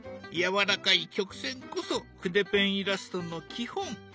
やわらかい曲線こそ筆ペンイラストの基本。